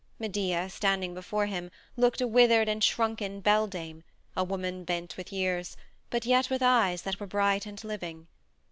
Medea, standing before him, looked a withered and shrunken beldame, a woman bent with years, but yet with eyes that were bright and living.